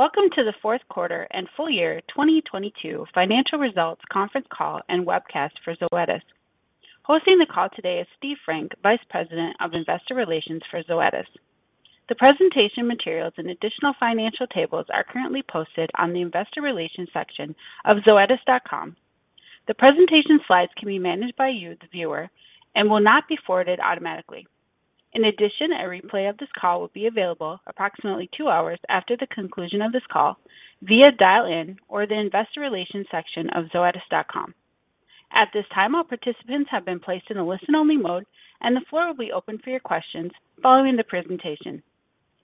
Welcome to the Q4 and full year 2022 financial results conference call and webcast for Zoetis. Hosting the call today is Steve Frank, Vice President of Investor Relations for Zoetis. The presentation materials and additional financial tables are currently posted on the investor relations section of zoetis.com. The presentation slides can be managed by you, the viewer, and will not be forwarded automatically. In addition, a replay of this call will be available approximately two hours after the conclusion of this call via dial-in or the investor relations section of zoetis.com. At this time, all participants have been placed in a listen-only mode, and the floor will be open for your questions following the presentation.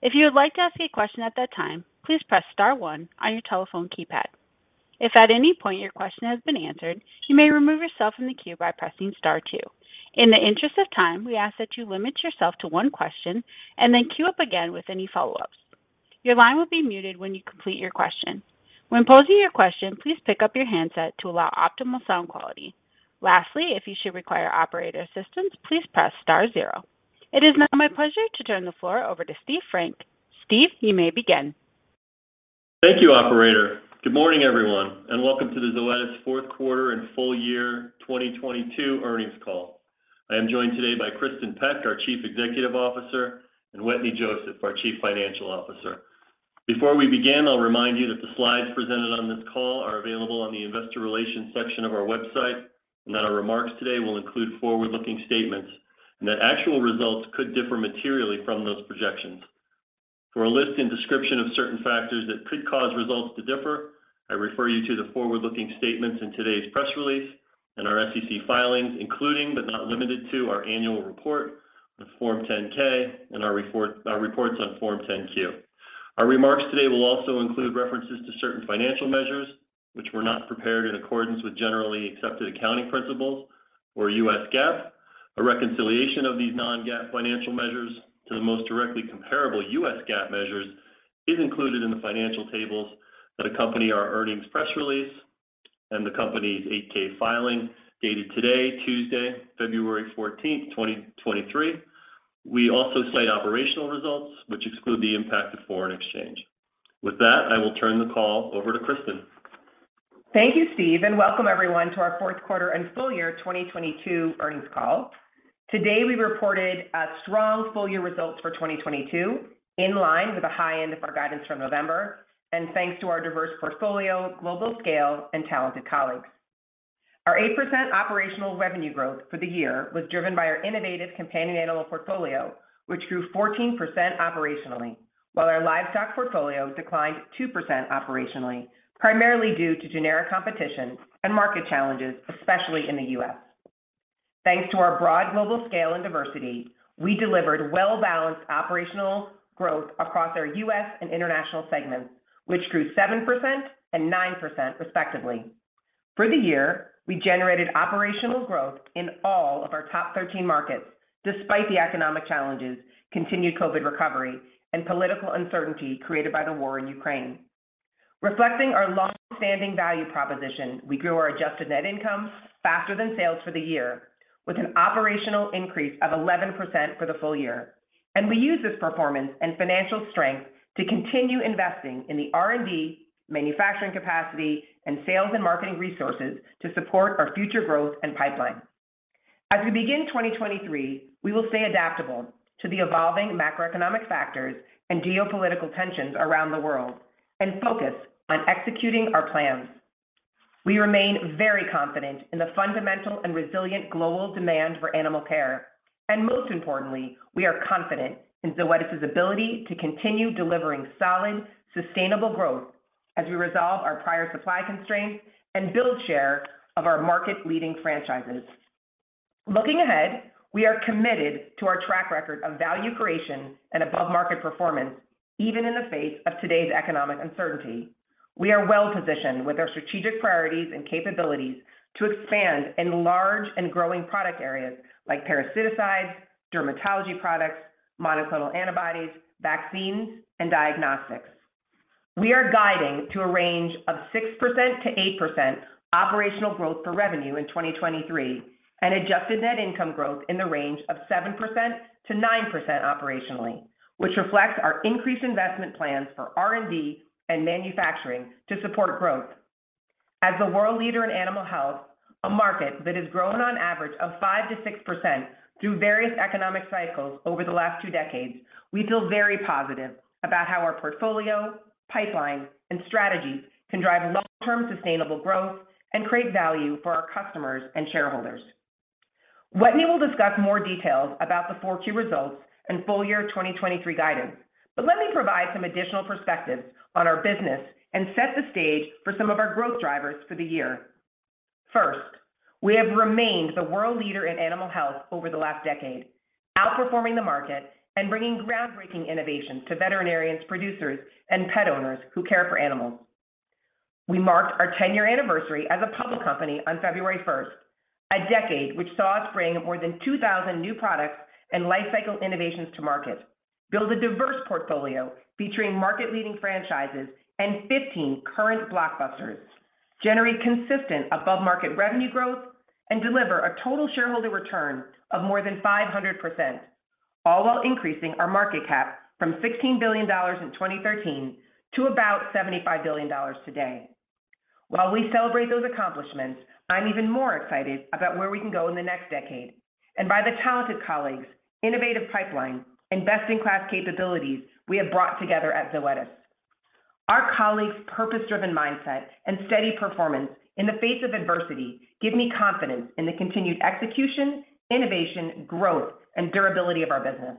If you would like to ask a question at that time, please press star one on your telephone keypad. If at any point your question has been answered, you may remove yourself from the queue by pressing star two. In the interest of time, we ask that you limit yourself to one question, then queue up again with any follow-ups. Your line will be muted when you complete your question. When posing your question, please pick up your handset to allow optimal sound quality. Lastly, if you should require operator assistance, please press star zero. It is now my pleasure to turn the floor over to Steve Frank. Steve, you may begin. Thank you, operator. Good morning, everyone, welcome to the Zoetis Q4 and full year 2022 earnings call. I am joined today by Kristin Peck, our Chief Executive Officer, and Wetteny Joseph, our Chief Financial Officer. Before we begin, I'll remind you that the slides presented on this call are available on the investor relations section of our website, that our remarks today will include forward-looking statements and that actual results could differ materially from those projections. For a list and description of certain factors that could cause results to differ, I refer you to the forward-looking statements in today's press release and our SEC filings, including, but not limited to, our annual report, the Form 10-K, and our reports on Form 10-Q. Our remarks today will also include references to certain financial measures which were not prepared in accordance with generally accepted accounting principles or US GAAP. A reconciliation of these non-GAAP financial measures to the most directly comparable US GAAP measures is included in the financial tables that accompany our earnings press release and the company's 8-K filing dated today, Tuesday, February 14, 2023. We also cite operational results which exclude the impact of foreign exchange. With that, I will turn the call over to Kristin. Thank you, Steve, welcome everyone to our Q4 and full year 2022 earnings call. Today, we reported a strong full-year results for 2022, in line with the high end of our guidance from November, thanks to our diverse portfolio, global scale, and talented colleagues. Our 8% operational revenue growth for the year was driven by our innovative companion animal portfolio, which grew 14% operationally, while our livestock portfolio declined 2% operationally, primarily due to generic competition and market challenges, especially in the U.S. Thanks to our broad global scale and diversity, we delivered well-balanced operational growth across our U.S. and international segments, which grew 7% and 9% respectively. For the year, we generated operational growth in all of our top 13 markets, despite the economic challenges, continued COVID recovery, and political uncertainty created by the war in Ukraine. Reflecting our long-standing value proposition, we grew our Adjusted Net Income faster than sales for the year, with an operational increase of 11% for the full year. We use this performance and financial strength to continue investing in the R&D, manufacturing capacity, and sales and marketing resources to support our future growth and pipeline. As we begin 2023, we will stay adaptable to the evolving macroeconomic factors and geopolitical tensions around the world and focus on executing our plans. We remain very confident in the fundamental and resilient global demand for animal care, and most importantly, we are confident in Zoetis's ability to continue delivering solid, sustainable growth as we resolve our prior supply constraints and build share of our market-leading franchises. Looking ahead, we are committed to our track record of value creation and above-market performance, even in the face of today's economic uncertainty. We are well-positioned with our strategic priorities and capabilities to expand in large and growing product areas like parasiticides, dermatology products, monoclonal antibodies, vaccines, and diagnostics. We are guiding to a range of 6-8% operational growth for revenue in 2023 and adjusted net income growth in the range of 7-9% operationally, which reflects our increased investment plans for R&D and manufacturing to support growth. As the world leader in animal health, a market that has grown on average of 5-6% through various economic cycles over the last two decades, we feel very positive about how our portfolio, pipeline, and strategies can drive long-term sustainable growth and create value for our customers and shareholders. Wetteny will discuss more details about the 4Q results and full year 2023 guidance. Let me provide some additional perspectives on our business and set the stage for some of our growth drivers for the year. First, we have remained the world leader in animal health over the last decade, outperforming the market and bringing groundbreaking innovations to veterinarians, producers, and pet owners who care for animals. We marked our 10-year anniversary as a public company on February 1st, a decade which saw us bring more than 2,000 new products and lifecycle innovations to market, build a diverse portfolio featuring market-leading franchises and 15 current blockbusters, generate consistent above-market revenue growth, and deliver a total shareholder return of more than 500%. All while increasing our market cap from $16 billion in 2013 to about $75 billion today. While we celebrate those accomplishments, I'm even more excited about where we can go in the next decade and by the talented colleagues, innovative pipeline, and best-in-class capabilities we have brought together at Zoetis. Our colleagues' purpose-driven mindset and steady performance in the face of adversity give me confidence in the continued execution, innovation, growth, and durability of our business.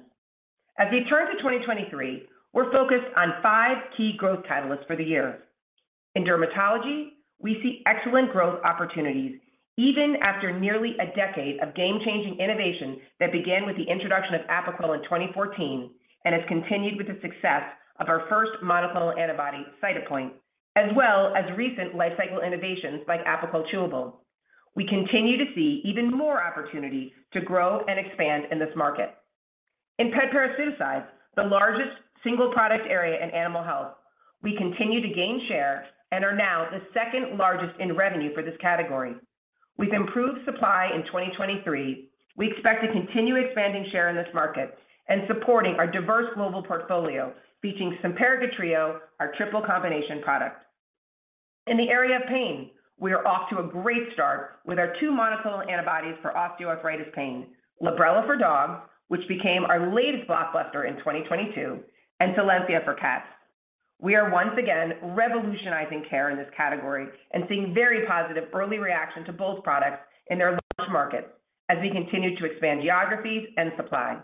We turn to 2023, we're focused on five key growth catalysts for the year. In dermatology, we see excellent growth opportunities even after nearly a decade of game-changing innovation that began with the introduction of Apoquel in 2014 and has continued with the success of our first monoclonal antibody, Cytopoint, as well as recent lifecycle innovations like Apoquel Chewable. We continue to see even more opportunity to grow and expand in this market. In pet parasiticides, the largest single product area in animal health, we continue to gain share and are now the second-largest in revenue for this category. With improved supply in 2023, we expect to continue expanding share in this market and supporting our diverse global portfolio featuring Simparica Trio, our triple combination product. In the area of pain, we are off to a great start with our two monoclonal antibodies for osteoarthritis pain, Librela for dogs, which became our latest blockbuster in 2022, and Solensia for cats. We are once again revolutionizing care in this category and seeing very positive early reaction to both products in their launch markets as we continue to expand geographies and supply.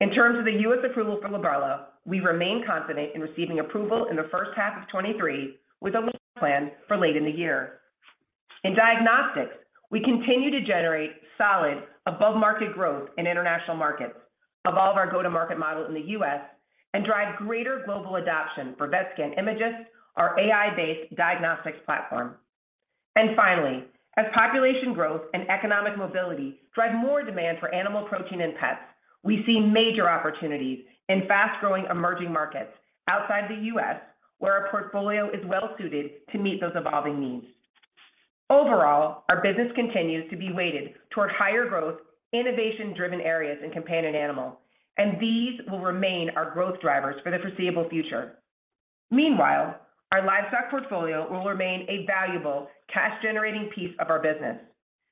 In terms of the US approval for Librela, we remain confident in receiving approval in the H1 of 2023 with a launch plan for late in the year. In diagnostics, we continue to generate solid above-market growth in international markets, evolve our go-to-market model in the U.S., and drive greater global adoption for Vetscan Imagyst, our AI-based diagnostics platform. Finally, as population growth and economic mobility drive more demand for animal protein and pets, we see major opportunities in fast-growing emerging markets outside the U.S. where our portfolio is well-suited to meet those evolving needs. Overall, our business continues to be weighted toward higher growth, innovation-driven areas in companion animal, and these will remain our growth drivers for the foreseeable future. Meanwhile, our livestock portfolio will remain a valuable cash-generating piece of our business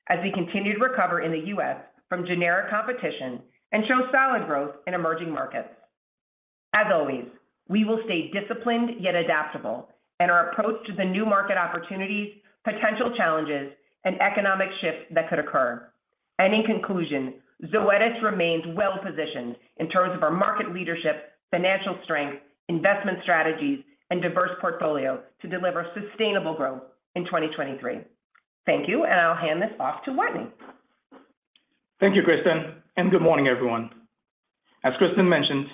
as we continue to recover in the U.S. from generic competition and show solid growth in emerging markets. As always, we will stay disciplined yet adaptable in our approach to the new market opportunities, potential challenges, and economic shifts that could occur. In conclusion, Zoetis remains well-positioned in terms of our market leadership, financial strength, investment strategies, and diverse portfolio to deliver sustainable growth in 2023. Thank you, and I'll hand this off to Wetteny. Thank you, Kristin, and good morning, everyone. As Kristin mentioned,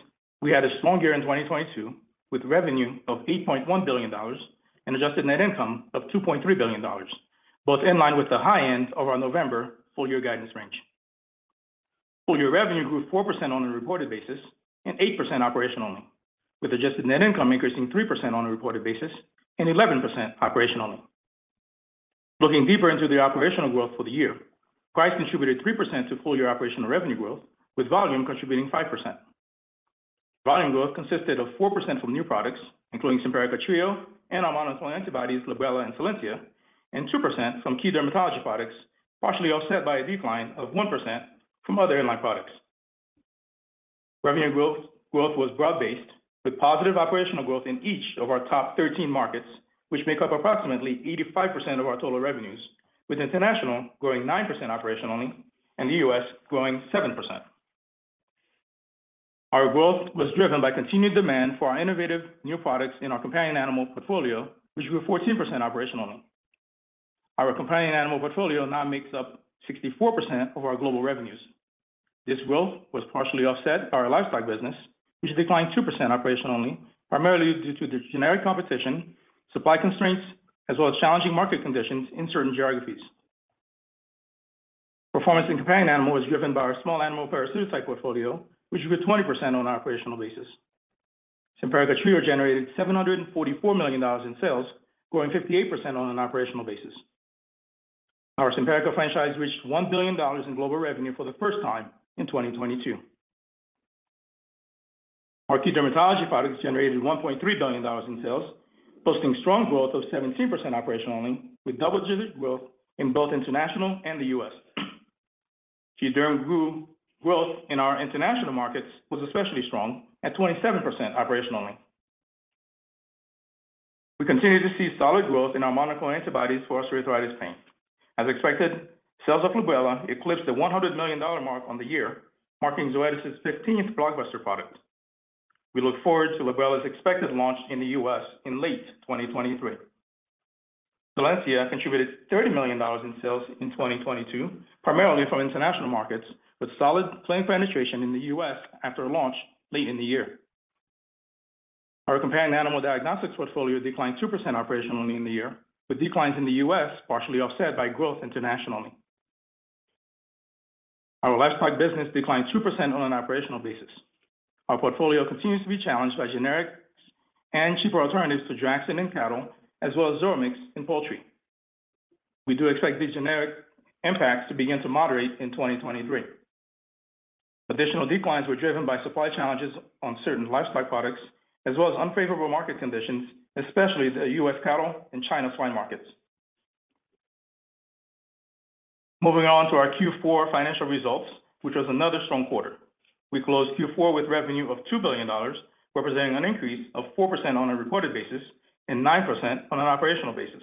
we had a strong year in 2022 with revenue of $8.1 billion and Adjusted Net Income of $2.3 billion, both in line with the high end of our November full-year guidance range. Full-year revenue grew 4% on a reported basis and 8% operationally, with Adjusted Net Income increasing 3% on a reported basis and 11% operationally. Looking deeper into the operational growth for the year, price contributed 3% to full-year operational revenue growth, with volume contributing 5%. Volume growth consisted of 4% from new products, including Simparica Trio and our monoclonal antibodies, Librela and Solensia, and 2% from key dermatology products, partially offset by a decline of 1% from other in-line products. Revenue growth was broad-based with positive operational growth in each of our top 13 markets, which make up approximately 85% of our total revenues, with international growing 9% operationally and the US growing 7%. Our growth was driven by continued demand for our innovative new products in our companion animal portfolio, which grew 14% operationally. Our companion animal portfolio now makes up 64% of our global revenues. This growth was partially offset by our livestock business, which declined 2% operationally, primarily due to the generic competition, supply constraints, as well as challenging market conditions in certain geographies. Performance in companion animal was driven by our small animal parasiticides portfolio, which grew 20% on an operational basis. Simparica Trio generated $744 million in sales, growing 58% on an operational basis. Our Simparica franchise reached $1 billion in global revenue for the first time in 2022. Our key dermatology products generated $1.3 billion in sales, posting strong growth of 17% operationally, with double-digit growth in both international and the U.S. Key derm growth in our international markets was especially strong at 27% operationally. We continue to see solid growth in our monoclonal antibodies for osteoarthritis pain. As expected, sales of Librela eclipsed the $100 million mark on the year, marking Zoetis' 15th blockbuster product. We look forward to Librela's expected launch in the U.S. in late 2023. Solensia contributed $30 million in sales in 2022, primarily from international markets, with solid plan penetration in the U.S. after launch late in the year. Our companion animal diagnostics portfolio declined 2% operationally in the year, with declines in the US partially offset by growth internationally. Our livestock business declined 2% on an operational basis. Our portfolio continues to be challenged by generics and cheaper alternatives to Draxxin in cattle as well as Zoamix in poultry. We do expect these generic impacts to begin to moderate in 2023. Additional declines were driven by supply challenges on certain livestock products, as well as unfavorable market conditions, especially the US cattle and China swine markets. Moving on to our Q4 financial results, which was another strong quarter. We closed Q4 with revenue of $2 billion, representing an increase of 4% on a reported basis and 9% on an operational basis.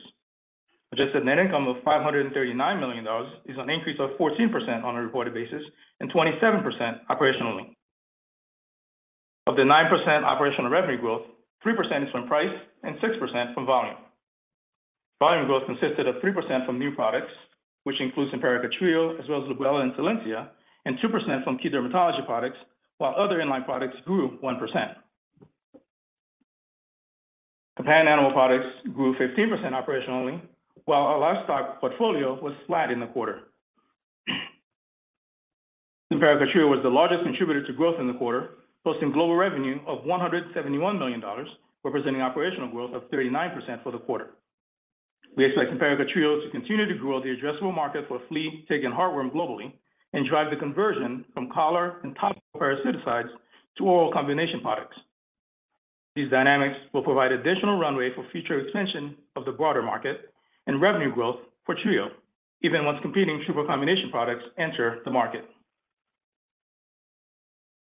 Adjusted Net Income of $539 million is an increase of 14% on a reported basis and 27% operationally. Of the 9% operational revenue growth, 3% is from price and 6% from volume. Volume growth consisted of 3% from new products, which includes Simparica Trio as well as Librela and Solensia, and 2% from key dermatology products, while other in-line products grew 1%. Companion animal products grew 15% operationally, while our livestock portfolio was flat in the quarter. Simparica Trio was the largest contributor to growth in the quarter, posting global revenue of $171 million, representing operational growth of 39% for the quarter. We expect Simparica Trio to continue to grow the addressable market for flea, tick, and heartworm globally and drive the conversion from collar and topical parasiticides to oral combination products. These dynamics will provide additional runway for future expansion of the broader market and revenue growth for Trio, even once competing triple combination products enter the market.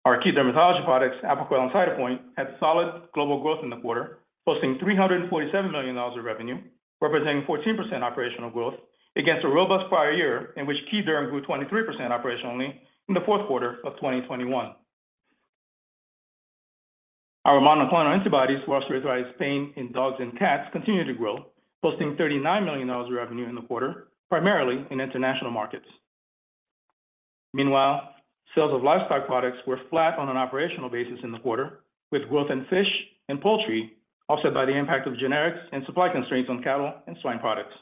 Our key dermatology products, Apoquel and Cytopoint, had solid global growth in the quarter, posting $347 million of revenue, representing 14% operational growth against a robust prior year in which key derm grew 23% operationally in the Q4 of 2021. Our monoclonal antibodies for osteoarthritis pain in dogs and cats continue to grow, posting $39 million of revenue in the quarter, primarily in international markets. Sales of livestock products were flat on an operational basis in the quarter, with growth in fish and poultry offset by the impact of generics and supply constraints on cattle and swine products.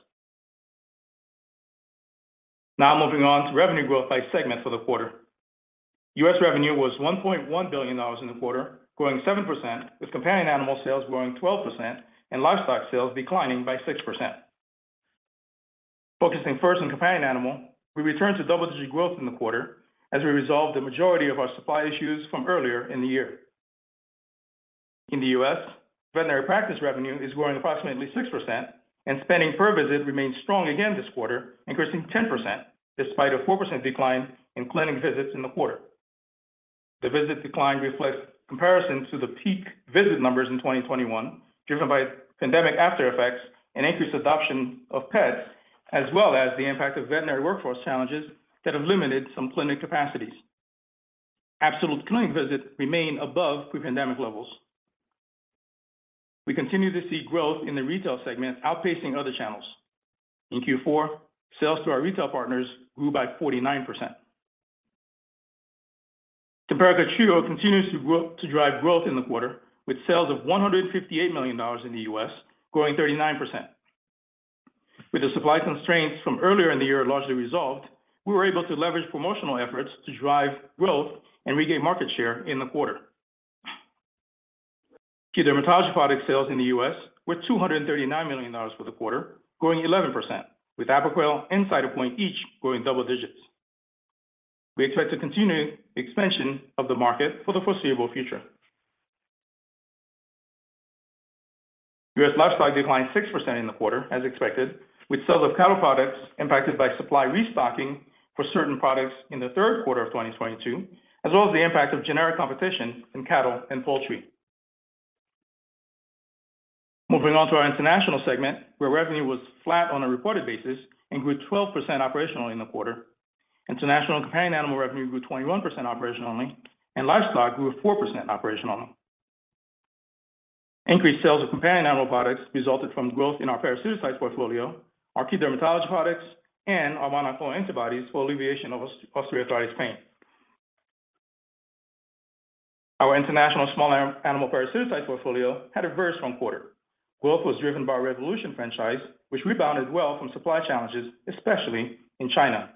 Moving on to revenue growth by segment for the quarter. US revenue was $1.1 billion in the quarter, growing 7%, with companion animal sales growing 12% and livestock sales declining by 6%. Focusing first on companion animal, we returned to double-digit growth in the quarter as we resolved the majority of our supply issues from earlier in the year. In the U.S., veterinary practice revenue is growing approximately 6% and spending per visit remains strong again this quarter, increasing 10% despite a 4% decline in clinic visits in the quarter. The visit decline reflects comparison to the peak visit numbers in 2021, driven by pandemic after effects and increased adoption of pets, as well as the impact of veterinary workforce challenges that have limited some clinic capacities. Absolute clinic visits remain above pre-pandemic levels. We continue to see growth in the retail segment outpacing other channels. In Q4, sales to our retail partners grew by 49%. Simparica Trio continues to drive growth in the quarter, with sales of $158 million in the U.S., growing 39%. With the supply constraints from earlier in the year largely resolved, we were able to leverage promotional efforts to drive growth and regain market share in the quarter. Key dermatology product sales in the U.S. were $239 million for the quarter, growing 11%, with Apoquel and Cytopoint each growing double digits. We expect to continue expansion of the market for the foreseeable future. U.S. livestock declined 6% in the quarter, as expected, with sales of cattle products impacted by supply restocking for certain products in the third quarter of 2022, as well as the impact of generic competition in cattle and poultry. Moving on to our international segment, where revenue was flat on a reported basis and grew 12% operationally in the quarter. International companion animal revenue grew 21% operationally, and livestock grew 4% operationally. Increased sales of companion animal products resulted from growth in our parasiticide portfolio, our key dermatology products, and our monoclonal antibodies for alleviation of osteoarthritis pain. Our international small animal parasiticide portfolio had a very strong quarter. Growth was driven by our Revolution franchise, which rebounded well from supply challenges, especially in China.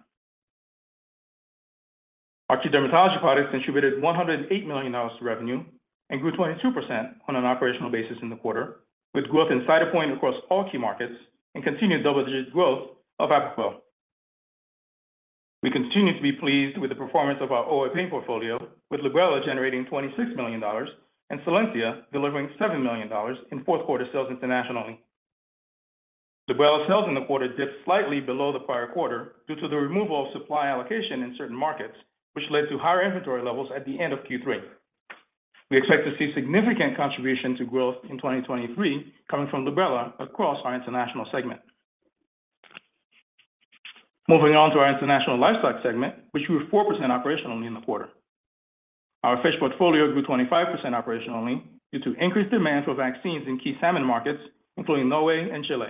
Our key dermatology products contributed $108 million to revenue and grew 22% on an operational basis in the quarter, with growth in Cytopoint across all key markets and continued double-digit growth of Apoquel. We continue to be pleased with the performance of our OA pain portfolio, with Librela generating $26 million and Solensia delivering $7 million in Q4 sales internationally. Librela sales in the quarter dipped slightly below the prior quarter due to the removal of supply allocation in certain markets, which led to higher inventory levels at the end of Q3. We expect to see significant contribution to growth in 2023 coming from Librela across our international segment. Moving on to our international livestock segment, which grew 4% operationally in the quarter. Our fish portfolio grew 25% operationally due to increased demand for vaccines in key salmon markets, including Norway and Chile.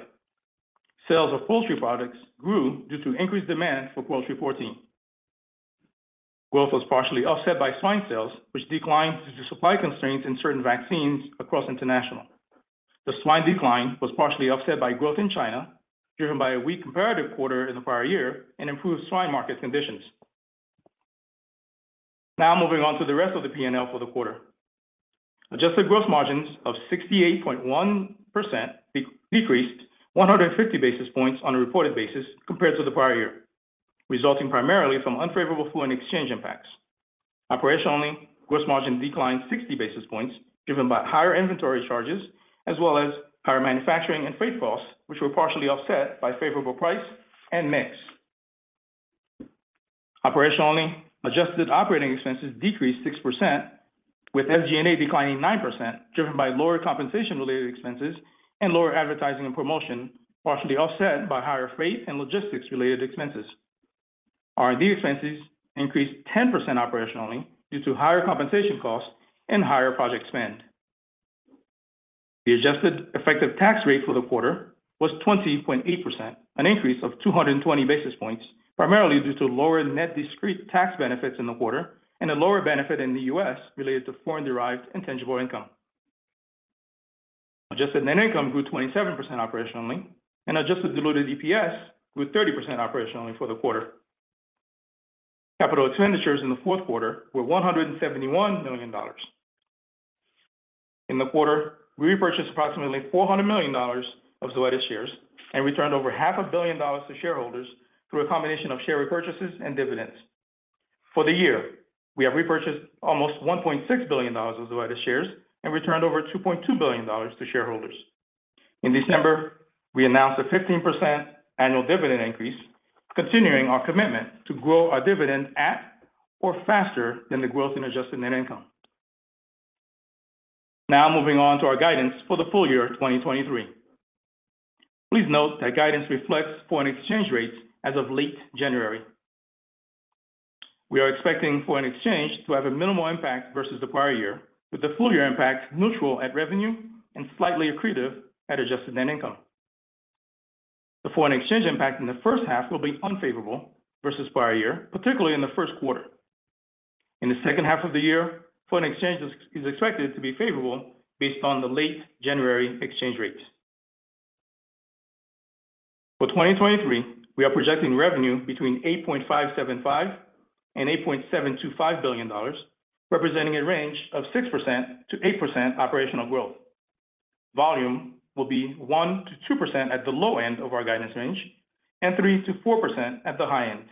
Sales of poultry products grew due to increased demand for poultry protein. Growth was partially offset by swine sales, which declined due to supply constraints in certain vaccines across international. The swine decline was partially offset by growth in China, driven by a weak comparative quarter in the prior year and improved swine market conditions. Moving on to the rest of the P&L for the quarter. Adjusted gross margins of 68.1% decreased 150 basis points on a reported basis compared to the prior year, resulting primarily from unfavorable foreign exchange impacts. Operationally, gross margin declined 60 basis points driven by higher inventory charges as well as higher manufacturing and freight costs, which were partially offset by favorable price and mix. Operationally, adjusted operating expenses decreased 6% with SG&A declining 9%, driven by lower compensation-related expenses and lower advertising and promotion, partially offset by higher freight and logistics-related expenses. R&D expenses increased 10% operationally due to higher compensation costs and higher project spend. The adjusted effective tax rate for the quarter was 20.8%, an increase of 220 basis points, primarily due to lower net discrete tax benefits in the quarter and a lower benefit in the U.S. related to foreign-derived intangible income. Adjusted net income grew 27% operationally, adjusted diluted EPS grew 30% operationally for the quarter. Capital expenditures in the Q4 were $171 million. In the quarter, we repurchased approximately $400 million of Zoetis shares and returned over half a billion dollars to shareholders through a combination of share repurchases and dividends. For the year, we have repurchased almost $1.6 billion of Zoetis shares and returned over $2.2 billion to shareholders. In December, we announced a 15% annual dividend increase, continuing our commitment to grow our dividend at or faster than the growth in Adjusted Net Income. Moving on to our guidance for the full year 2023. Please note that guidance reflects foreign exchange rates as of late January. We are expecting foreign exchange to have a minimal impact versus the prior year, with the full-year impact neutral at revenue and slightly accretive at Adjusted Net Income. The foreign exchange impact in the H1 will be unfavorable versus prior year, particularly in the Q1. In the second half of the year, foreign exchange is expected to be favorable based on the late January exchange rates. For 2023, we are projecting revenue between $8.575 billion and $8.725 billion, representing a range of 6-8% operational growth. Volume will be 1-2% at the low end of our guidance range and 3-4% at the high end.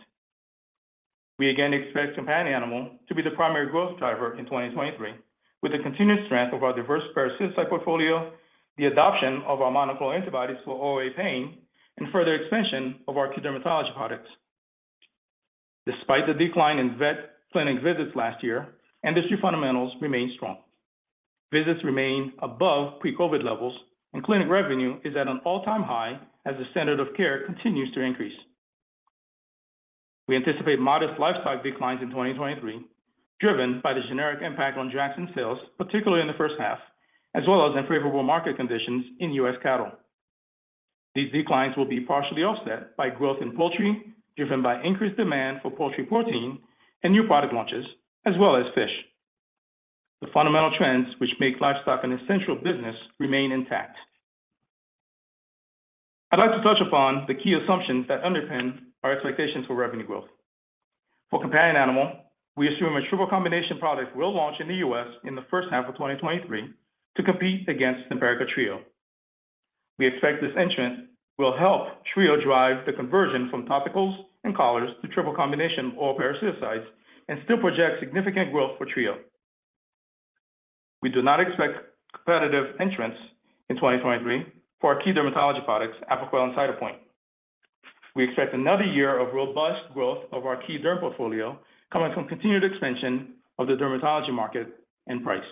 We again expect companion animal to be the primary growth driver in 2023, with the continued strength of our diverse parasiticide portfolio, the adoption of our monoclonal antibodies for OA pain, and further expansion of our key dermatology products. Despite the decline in vet clinic visits last year, industry fundamentals remain strong. Visits remain above pre-COVID levels, and clinic revenue is at an all-time high as the standard of care continues to increase. We anticipate modest livestock declines in 2023, driven by the generic impact on Jackson sales, particularly in the H1, as well as unfavorable market conditions in US cattle. These declines will be partially offset by growth in poultry, driven by increased demand for poultry protein and new product launches as well as fish. The fundamental trends which make livestock an essential business remain intact. I'd like to touch upon the key assumptions that underpin our expectations for revenue growth. For companion animal, we assume a triple combination product will launch in the U.S. in the H1 of 2023 to compete against Simparica Trio. We expect this entrant will help Trio drive the conversion from topicals and collars to triple combination or parasiticides and still project significant growth for Trio. We do not expect competitive entrants in 2023 for our key dermatology products, Apoquel and Cytopoint. We expect another year of robust growth of our key derm portfolio coming from continued expansion of the dermatology market and price.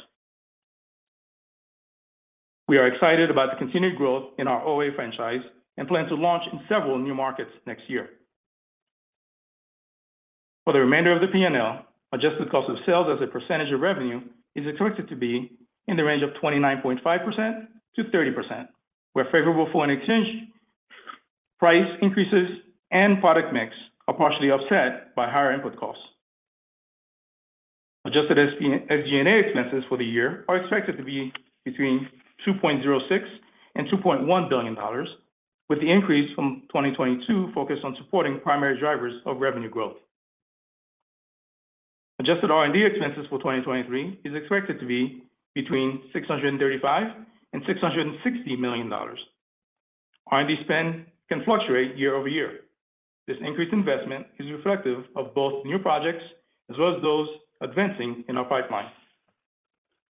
We are excited about the continued growth in our OA franchise and plan to launch in several new markets next year. For the remainder of the P&L, adjusted cost of sales as a percentage of revenue is expected to be in the range of 29.5-30%, where favorable foreign exchange, price increases, and product mix are partially offset by higher input costs. Adjusted SG&A expenses for the year are expected to be between $2.06 billion and $2.1 billion, with the increase from 2022 focused on supporting primary drivers of revenue growth. Adjusted R&D expenses for 2023 is expected to be between $635 million and $660 million. R&D spend can fluctuate year over year. This increased investment is reflective of both new projects as well as those advancing in our pipeline.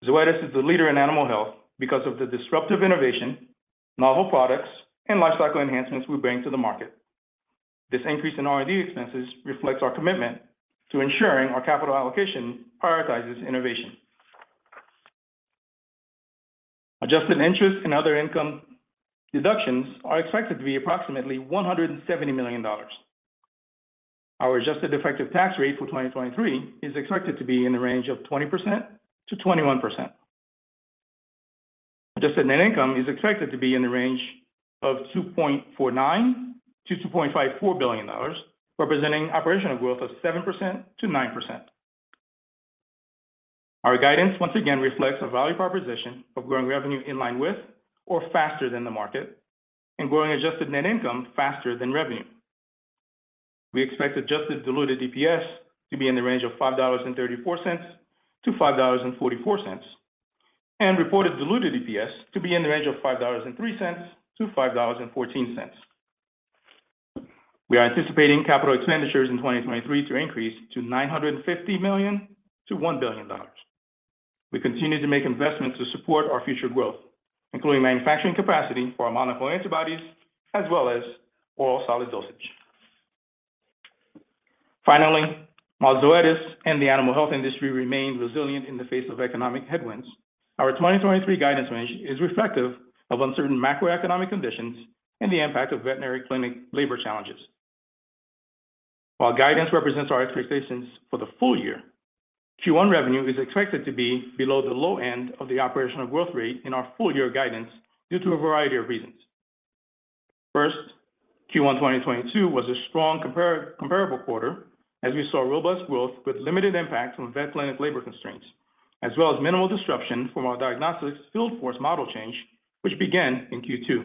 Zoetis is the leader in animal health because of the disruptive innovation, novel products, and lifecycle enhancements we bring to the market. This increase in R&D expenses reflects our commitment to ensuring our capital allocation prioritizes innovation. Adjusted interest and other income deductions are expected to be approximately $170 million. Our adjusted effective tax rate for 2023 is expected to be in the range of 20-21%. Adjusted Net Income is expected to be in the range of $2.49 billion-$2.54 billion, representing operational growth of 7-9%. Our guidance once again reflects a value proposition of growing revenue in line with or faster than the market and growing Adjusted Net Income faster than revenue. We expect adjusted diluted EPS to be in the range of $5.34-$5.44, and reported diluted EPS to be in the range of $5.03-$5.14. We are anticipating capital expenditures in 2023 to increase to $950 million-$1 billion. We continue to make investments to support our future growth, including manufacturing capacity for monoclonal antibodies as well as oral solid dosage. Finally, while Zoetis and the animal health industry remain resilient in the face of economic headwinds, our 2023 guidance range is reflective of uncertain macroeconomic conditions and the impact of veterinary clinic labor challenges. While guidance represents our expectations for the full year, Q1 revenue is expected to be below the low end of the operational growth rate in our full-year guidance due to a variety of reasons. First, Q1 2022 was a strong comparable quarter as we saw robust growth with limited impact from vet clinic labor constraints, as well as minimal disruption from our diagnostics field force model change, which began in Q2.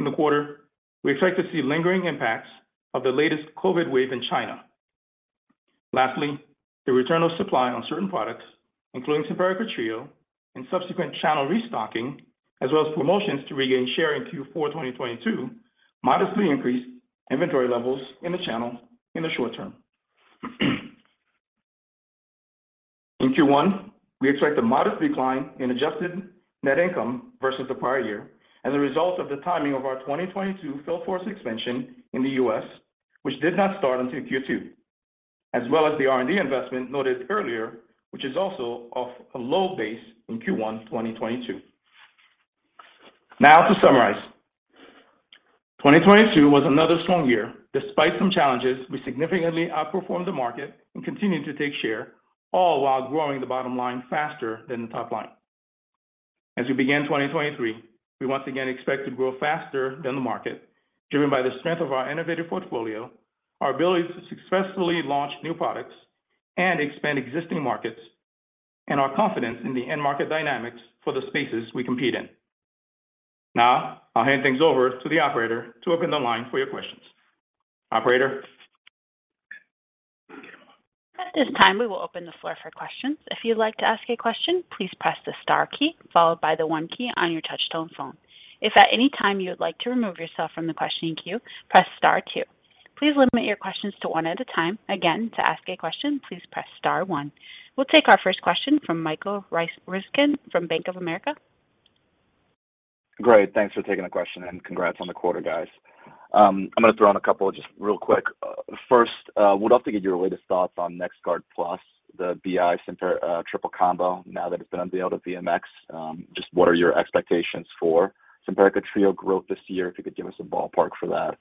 In the quarter, we expect to see lingering impacts of the latest COVID wave in China. The return of supply on certain products, including Simparica Trio and subsequent channel restocking, as well as promotions to regain share in Q4 2022 modestly increased inventory levels in the channel in the short term. In Q1, we expect a modest decline in Adjusted Net Income versus the prior year as a result of the timing of our 2022 field force expansion in the U.S., which did not start until Q2, as well as the R&D investment noted earlier, which is also off a low base in Q1 2022. Now to summarize. 2022 was another strong year. Despite some challenges, we significantly outperformed the market and continued to take share, all while growing the bottom line faster than the top line. As we begin 2023, we once again expect to grow faster than the market, driven by the strength of our innovative portfolio, our ability to successfully launch new products and expand existing markets, and our confidence in the end market dynamics for the spaces we compete in. Now, I'll hand things over to the operator to open the line for your questions. Operator? At this time, we will open the floor for questions. If you'd like to ask a question, please press the star key followed by the one key on your touchtone phone. If at any time you would like to remove yourself from the questioning queue, press star two. Please limit your questions to one at a time. Again, to ask a question, please press star one. We'll take our first question from Michael Ryskin from Bank of America. Great. Thanks for taking the question and congrats on the quarter, guys. I'm gonna throw in a couple just real quick. First, would love to get your latest thoughts on NexGard PLUS the BI triple combo now that it's been unveiled at VMX. Just what are your expectations for Simparica Trio growth this year? If you could give us a ballpark for that.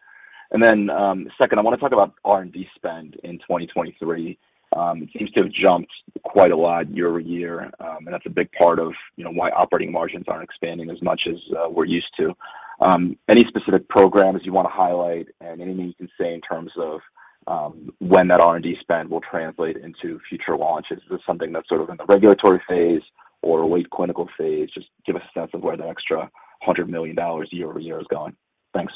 Second, I wanna talk about R&D spend in 2023. It seems to have jumped quite a lot year-over-year, and that's a big part of, you know, why operating margins aren't expanding as much as we're used to. Any specific programs you wanna highlight and anything you can say in terms of when that R&D spend will translate into future launches? Is this something that's sort of in the regulatory phase or late clinical phase? Give us a sense of where the extra $100 million year-over-year is going. Thanks.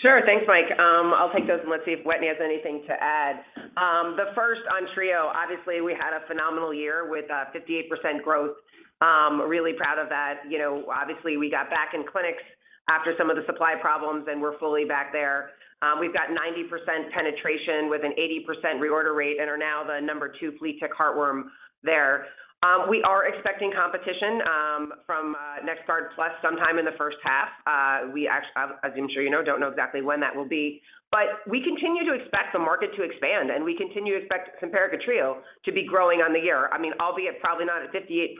Sure. Thanks, Mike. I'll take those and let's see if Wetteny has anything to add. The first on Trio, obviously we had a phenomenal year with 58% growth. Really proud of that. You know, obviously we got back in clinics after some of the supply problems, and we're fully back there. We've got 90% penetration with an 80% reorder rate and are now the number two flea tick heartworm there. We are expecting competition from NexGard PLUS sometime in the H1. As I'm sure you know, don't know exactly when that will be, but we continue to expect the market to expand and we continue to expect Simparica Trio to be growing on the year. I mean, albeit probably not at 58%,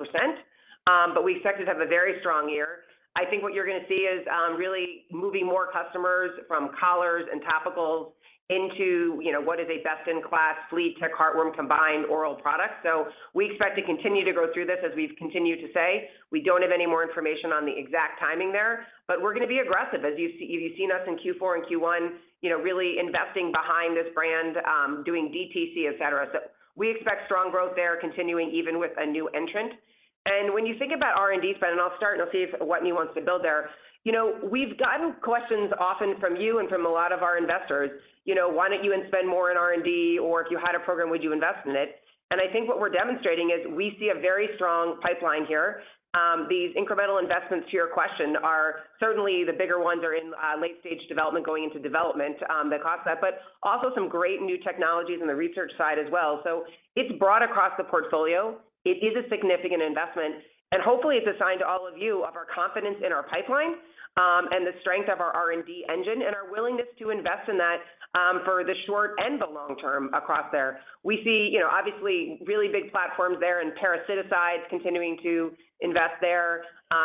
but we expect to have a very strong year. I think what you're gonna see is, really moving more customers from collars and topicals into, you know, what is a best-in-class flea tick heartworm combined oral product. We expect to continue to grow through this, as we've continued to say. We don't have any more information on the exact timing there, but we're gonna be aggressive. As you've seen us in Q4 and Q1, you know, really investing behind this brand, doing DTC, et cetera. We expect strong growth there continuing even with a new entrant. When you think about R&D spend, and I'll start and I'll see if Wetteny wants to build there. You know, we've gotten questions often from you and from a lot of our investors. You know, "Why don't you spend more in R&D, or if you had a program, would you invest in it?" I think what we're demonstrating is we see a very strong pipeline here. These incremental investments to your question are certainly the bigger ones are in late-stage development going into development, the concept, but also some great new technologies in the research side as well. It's broad across the portfolio. It is a significant investment, and hopefully it's a sign to all of you of our confidence in our pipeline, and the strength of our R&D engine and our willingness to invest in that, for the short and the long term across there. We see, you know, obviously really big platforms there in parasiticides, continuing to invest there,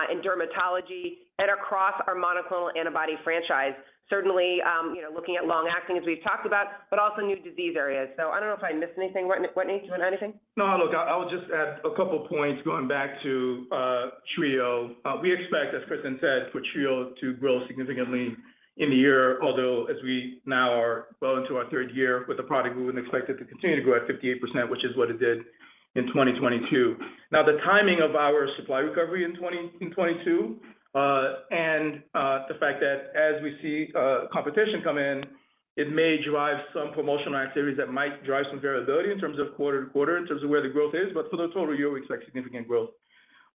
in dermatology and across our monoclonal antibody franchise. Certainly, you know, looking at long-acting as we've talked about, but also new disease areas. I don't know if I missed anything, Wetteny. Do you want to add anything? No, look, I would just add a couple points going back to Trio. We expect, as Kristin said, for Trio to grow significantly in the year, although as we now are well into our third year with the product, we wouldn't expect it to continue to grow at 58%, which is what it did. In 2022. Now, the timing of our supply recovery in 2022, and the fact that as we see competition come in, it may drive some promotional activities that might drive some variability in terms of quarter to quarter in terms of where the growth is. For the total year, we expect significant growth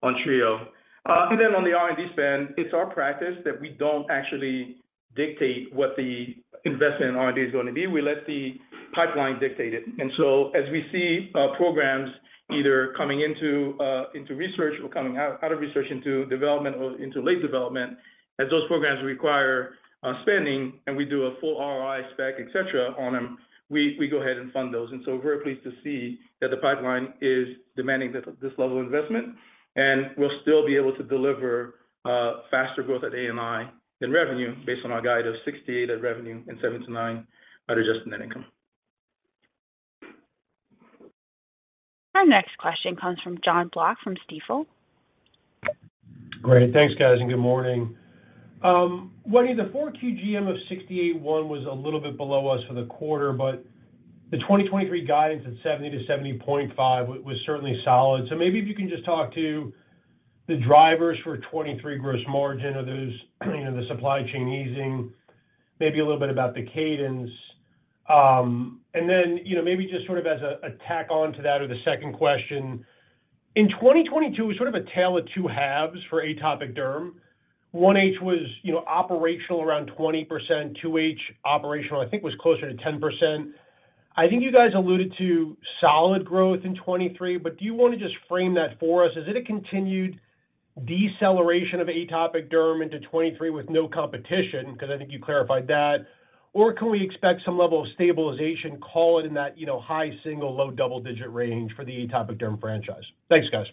on Trio. On the R&D spend, it's our practice that we don't actually dictate what the investment in R&D is gonna be. We let the pipeline dictate it. As we see programs either coming into research or coming out of research into development or into late development, as those programs require spending and we do a full ROI, spec, et cetera, on them, we go ahead and fund those. We're pleased to see that the pipeline is demanding this level of investment, and we'll still be able to deliver faster growth at ANI than revenue based on our guide of 68% at revenue and 7-9% at adjusted net income. Our next question comes from Jon Block from Stifel. Great. Thanks, guys, and good morning. Wendy, the 4 QGM of 68.1 was a little bit below us for the quarter, but the 2023 guidance at 70-70.5% was certainly solid. Maybe if you can just talk to the drivers for 2023 gross margin. Are those, you know, the supply chain easing? Maybe a little bit about the cadence. You know, maybe just sort of as a tack on to that or the second question, in 2022, it was sort of a tale of two halves for atopic derm. 1H was, you know, operational around 20%. 2H operational, I think, was closer to 10%. I think you guys alluded to solid growth in 2023, but do you wanna just frame that for us? Is it a continued deceleration of atopic derm into 2023 with no competition, 'cause I think you clarified that, or can we expect some level of stabilization, call it in that, you know, high single, low double-digit range for the atopic derm franchise? Thanks, guys.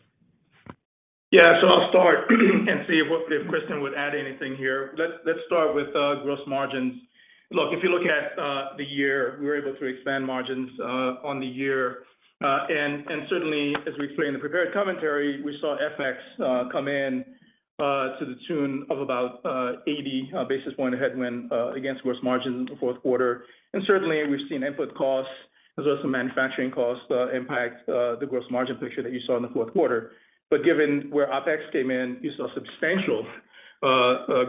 I'll start and see if Kristin would add anything here. Let's start with gross margins. If you look at the year, we were able to expand margins on the year. Certainly, as we explained in the prepared commentary, we saw FX come in to the tune of about 80 basis point headwind against gross margin in the Q4. Certainly, we've seen input costs as well as some manufacturing costs impact the gross margin picture that you saw in the Q4. Given where Came in, you saw substantial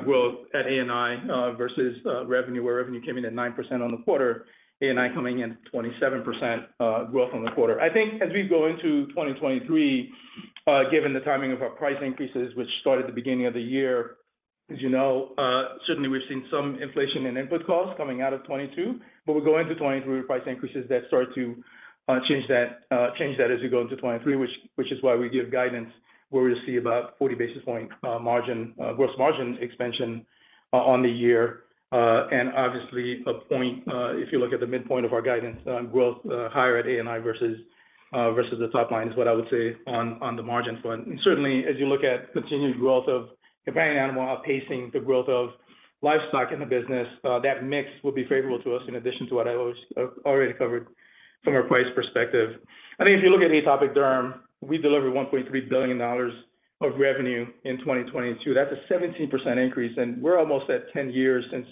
growth at A&I versus revenue, where revenue came in at 9% on the quarter, A&I coming in 27% growth on the quarter. I think as we go into 2023, given the timing of our price increases, which started the beginning of the year, as you know, certainly we've seen some inflation in input costs coming out of 2022. We go into 2023 with price increases that start to change that, change that as we go into 2023, which is why we give guidance, where we see about 40 basis point, margin, gross margin expansion on the year. Obviously a point, if you look at the midpoint of our guidance on growth, higher at A&I versus the top line is what I would say on the margin front. Certainly, as you look at continued growth of companion animal outpacing the growth of livestock in the business, that mix will be favorable to us in addition to already covered from a price perspective. I think if you look at atopic derm, we delivered $1.3 billion of revenue in 2022. That's a 17% increase, and we're almost at 10 years since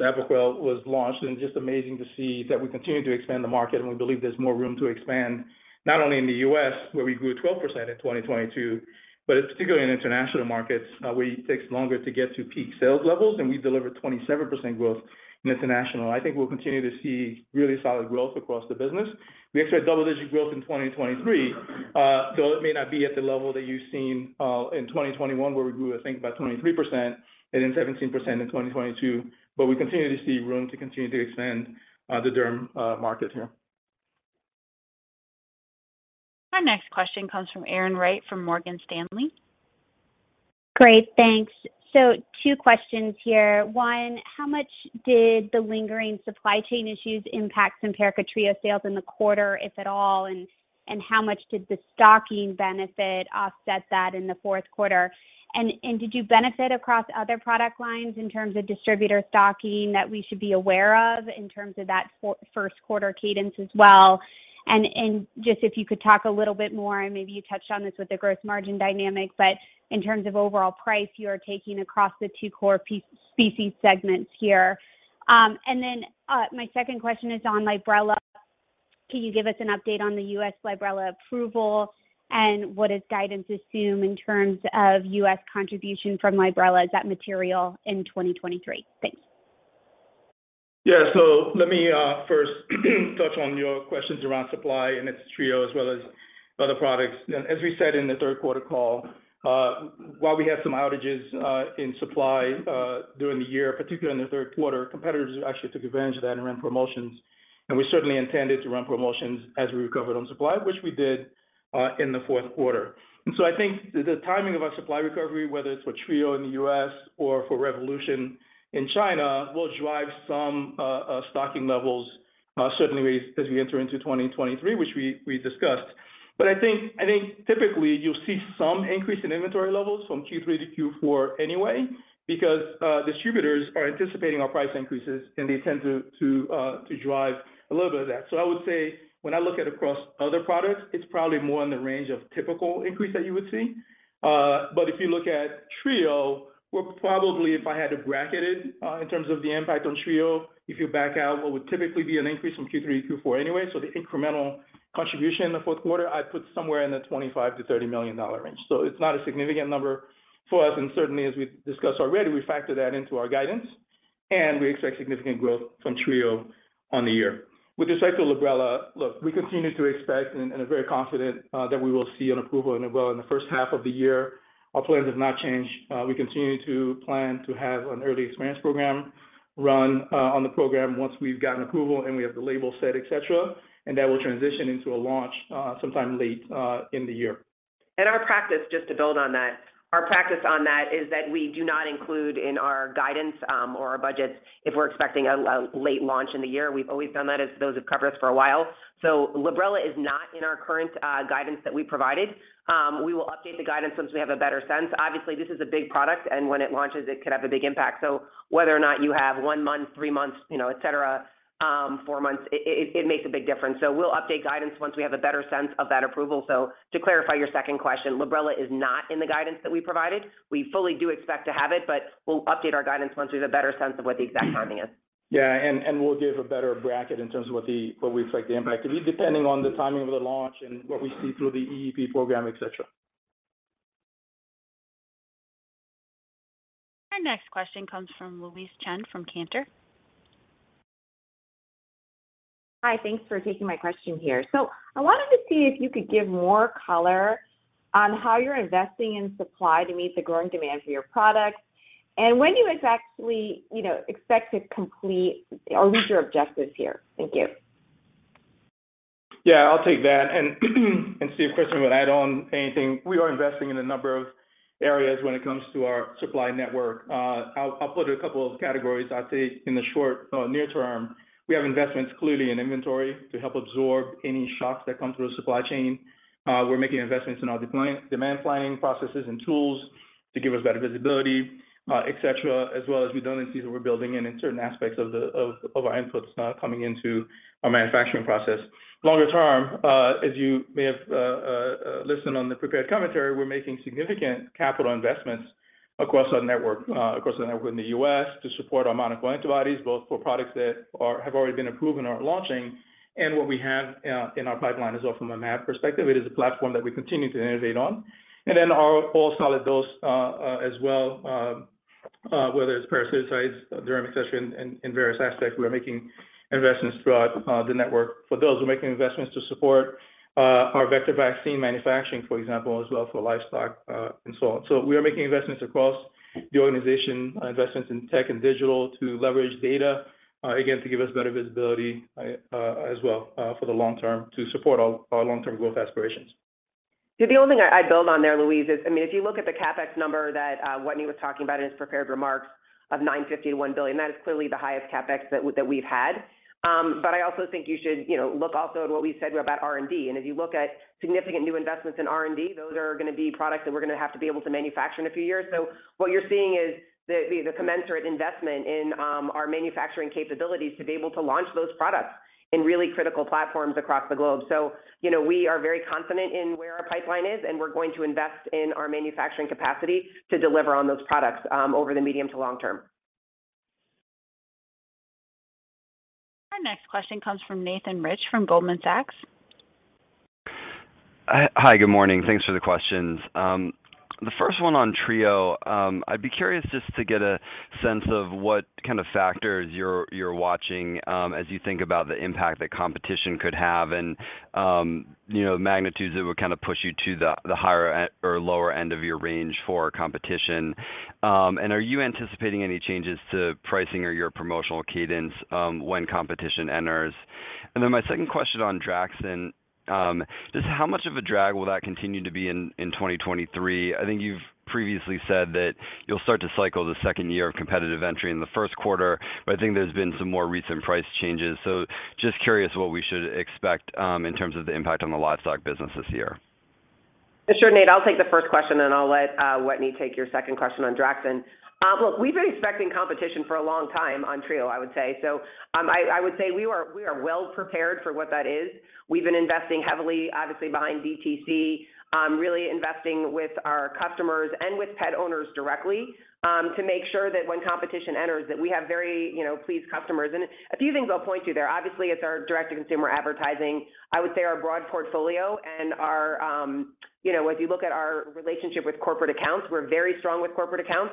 Apoquel was launched. Just amazing to see that we continue to expand the market, and we believe there's more room to expand, not only in the U.S., where we grew 12% in 2022, but particularly in international markets, where it takes longer to get to peak sales levels, and we delivered 27% growth in international. I think we'll continue to see really solid growth across the business. We expect double-digit growth in 2023, though it may not be at the level that you've seen, in 2021, where we grew, I think, about 23% and then 17% in 2022. We continue to see room to continue to expand, the derm market here. Our next question comes from Erin Wright from Morgan Stanley. Great. Thanks. Two questions here. One, how much did the lingering supply chain issues impact Simparica Trio sales in the quarter, if at all, and how much did the stocking benefit offset that in the Q4? And did you benefit across other product lines in terms of distributor stocking that we should be aware of in terms of that Q1 cadence as well? And just if you could talk a little bit more, and maybe you touched on this with the gross margin dynamics, but in terms of overall price you are taking across the two core species segments here. And then my second question is on Librela. Can you give us an update on the U.S. Librela approval, and what does guidance assume in terms of U.S. contribution from Librela? Is that material in 2023? Thanks. Yeah. Let me first touch on your questions around supply and its Trio as well as other products. As we said in the Q3 call, while we had some outages in supply during the year, particularly in the Q3, competitors actually took advantage of that and ran promotions. We certainly intended to run promotions as we recovered on supply, which we did in the Q4. I think the timing of our supply recovery, whether it's for Trio in the U.S. or for Revolution in China, will drive some stocking levels, certainly as we enter into 2023, which we discussed. I think typically you'll see some increase in inventory levels from Q3-Q4 anyway because distributors are anticipating our price increases, and they tend to drive a little bit of that. I would say when I look at across other products, it's probably more in the range of typical increase that you would see. If you look at Trio, we're probably, if I had to bracket it, in terms of the impact on Trio, if you back out what would typically be an increase from Q3-Q4 anyway, so the incremental contribution in the Q4, I'd put somewhere in the $25 million-$30 million range. It's not a significant number for us. Certainly, as we discussed already, we factor that into our guidance. And we expect significant growth from Trio on the year. With respect to Librela, look, we continue to expect and are very confident that we will see an approval in Librela in the H1 of the year. Our plans have not changed. We continue to plan to have an early experience program run on the program once we've gotten approval and we have the label set, et cetera, and that will transition into a launch sometime late in the year. Our practice, just to build on that, our practice on that is that we do not include in our guidance, or our budgets if we're expecting a late launch in the year. We've always done that as those have covered us for a while. Librela is not in our current guidance that we provided. We will update the guidance once we have a better sense. Obviously, this is a big product, and when it launches, it could have a big impact. Whether or not you have one month, three months, you know, et cetera, four months, it makes a big difference. We'll update guidance once we have a better sense of that approval. To clarify your second question, Librela is not in the guidance that we provided. We fully do expect to have it, but we'll update our guidance once we have a better sense of what the exact timing is. Yeah, we'll give a better bracket in terms of what we expect the impact to be, depending on the timing of the launch and what we see through the EEP program, et cetera. Our next question comes from Louise Chen from Cantor. Hi, thanks for taking my question here. I wanted to see if you could give more color on how you're investing in supply to meet the growing demand for your products and when you expect to actually, you know, expect to complete or reach your objectives here? Thank you. I'll take that and see if Kristin will add on anything. We are investing in a number of areas when it comes to our supply network. I'll put a couple of categories. I'd say in the short, near term, we have investments clearly in inventory to help absorb any shocks that come through the supply chain. We're making investments in our demand planning processes and tools to give us better visibility, et cetera, as well as redundancies that we're building in certain aspects of our inputs coming into our manufacturing process. Longer term, as you may have listened on the prepared commentary, we're making significant capital investments across our network, across the network in the U.S. to support our monoclonal antibodies, both for products that have already been approved and are launching. What we have in our pipeline as well from a mAb perspective, it is a platform that we continue to innovate on. Then our oral solid dose as well, whether it's parasiticides, dermatology in various aspects, we're making investments throughout the network. For those, we're making investments to support our vector vaccine manufacturing, for example, as well for livestock, and so on. We are making investments across the organization, investments in tech and digital to leverage data, again, to give us better visibility, as well, for the long term to support our long-term growth aspirations. The only thing I'd build on there, Louise, is, I mean, if you look at the CapEx number that Wetteny was talking about in his prepared remarks of $950 million-$1 billion, that is clearly the highest CapEx that we've had. I also think you should, you know, look also at what we said about R&D. If you look at significant new investments in R&D, those are gonna be products that we're gonna have to be able to manufacture in a few years. What you're seeing is the commensurate investment in our manufacturing capabilities to be able to launch those products in really critical platforms across the globe. you know, we are very confident in where our pipeline is, and we're going to invest in our manufacturing capacity to deliver on those products over the medium to long term. Our next question comes from Nathan Rich from Goldman Sachs. .i, good morning. Thanks for the questions. The first one on Trio, I'd be curious just to get a sense of what kind of factors you're watching, as you think about the impact that competition could have and, you know, magnitudes that would kind of push you to the higher or lower end of your range for competition. Are you anticipating any changes to pricing or your promotional cadence, when competition enters? Then my second question on Draxxin, just how much of a drag will that continue to be in 2023? I think you've previously said that you'll start to cycle the second year of competitive entry in the Q1, but I think there's been some more recent price changes. Just curious what we should expect in terms of the impact on the livestock business this year? Sure, Nathan, I'll take the first question, then I'll let Wetteny take your second question on Draxxin. Look, we've been expecting competition for a long time on Trio, I would say. I would say we are well prepared for what that is. We've been investing heavily, obviously behind DTC, really investing with our customers and with pet owners directly, to make sure that when competition enters, that we have very, you know, pleased customers. A few things I'll point to there. Obviously, it's our direct-to-consumer advertising. I would say our broad portfolio and our, you know, if you look at our relationship with corporate accounts, we're very strong with corporate accounts.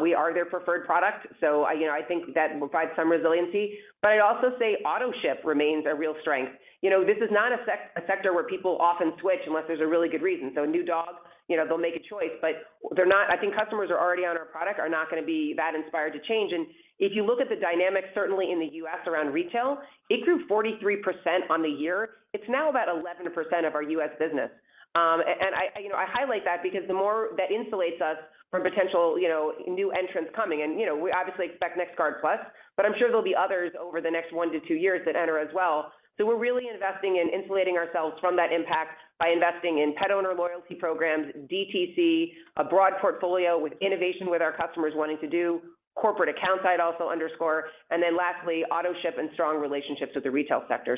We are their preferred product. So, you know, I think that provides some resiliency. I'd also say autoship remains a real strength. You know, this is not a sector where people often switch unless there's a really good reason. A new dog, you know, they'll make a choice, but I think customers who are already on our product are not gonna be that inspired to change. If you look at the dynamics, certainly in the U.S. around retail, it grew 43% on the year. It's now about 11% of our US business. I, you know, I highlight that because the more that insulates us from potential, you know, new entrants coming, and, you know, we obviously expect NexGard PLUS, I'm sure there'll be others over the next one-twoyears that enter as well. We're really investing in insulating ourselves from that impact by investing in pet owner loyalty programs, DTC, a broad portfolio with innovation with our customers wanting to do, corporate account side also underscore, and then lastly, autoship and strong relationships with the retail sector.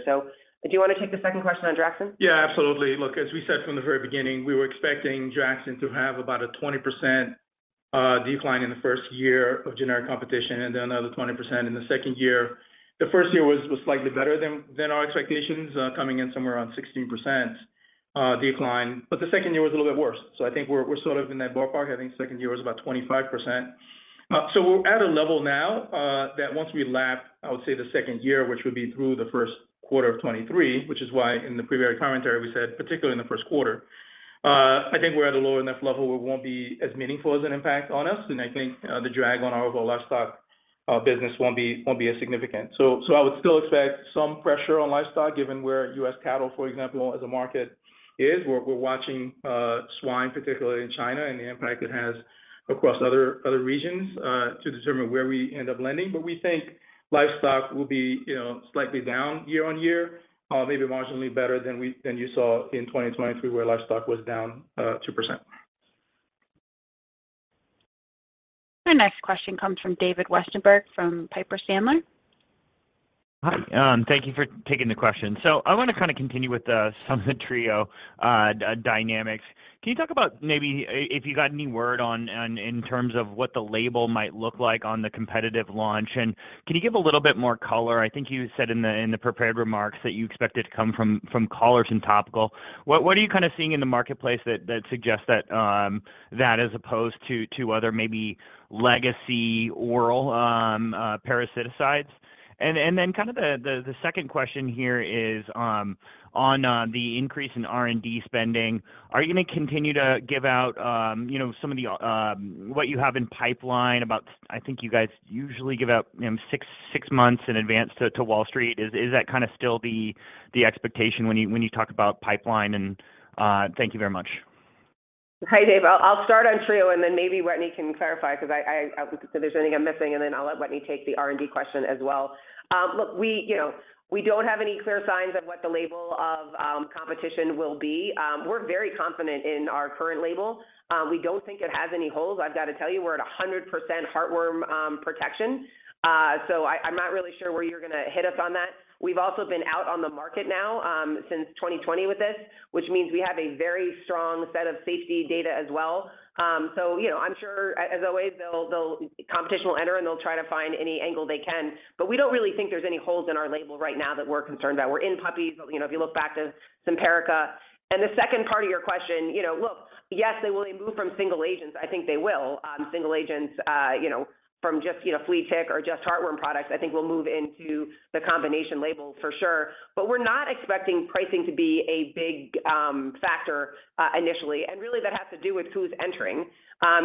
Do you want to take the second question on Draxxin? Yeah, absolutely. Look, as we said from the very beginning, we were expecting Draxxin to have about a 20% decline in the first year of generic competition and then another 20% in the second year. The first year was slightly better than our expectations, coming in somewhere around 16% decline. The second year was a little bit worse. I think we're sort of in that ballpark. I think second year was about 25%. We're at a level now that once we lap, I would say the second year, which would be through the Q1 of 2023, which is why in the preliminary commentary we said, particularly in the Q1, I think we're at a low enough level where it won't be as meaningful as an impact on us. I think the drag on our overall livestock business won't be as significant. I would still expect some pressure on livestock, given where US cattle, for example, as a market is. We're watching swine, particularly in China and the impact it has across other regions to determine where we end up landing. We think livestock will be, you know, slightly down year-on-year, maybe marginally better than you saw in 2023, where livestock was down 2%. Our next question comes from David Westenberg from Piper Sandler. Hi, thank you for taking the question. I wanna kind of continue with some of the Trio dynamics. Can you talk about maybe if you got any word on in terms of what the label might look like on the competitive launch? Can you give a little bit more color? I think you said in the prepared remarks that you expect it to come from collars and topical. What are you kind of seeing in the marketplace that suggests that as opposed to other maybe legacy oral parasiticides? Kind of the second question here is on the increase in R&D spending. Are you gonna continue to give out, you know, some of the, what you have in pipeline? I think you guys usually give out, you know, six months in advance to Wall Street. Is that kind of still the expectation when you talk about pipeline? Thank you very much. Hi, Dave. I'll start on Trio maybe Wetteny can clarify 'cause if there's anything I'm missing, I'll let Wetteny take the R&D question as well. Look, we, you know, we don't have any clear signs of what the label of competition will be. We're very confident in our current label. We don't think it has any holes. I've got to tell you, we're at 100% heartworm protection. I'm not really sure where you're gonna hit us on that. We've also been out on the market now since 2020 with this, which means we have a very strong set of safety data as well. You know, I'm sure as always competition will enter, and they'll try to find any angle they can. We don't really think there's any holes in our label right now that we're concerned about. We're in puppies. You know, if you look back to Simparica. The second part of your question, you know, look, yes, they will move from single agents. I think they will. Single agents, you know, from just, you know, flea tick or just heartworm products, I think will move into the combination labels for sure. We're not expecting pricing to be a big factor initially. Really that has to do with who's entering.